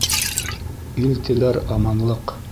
Ил теләр аманлыҡ